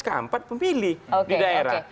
keempat pemilih di daerah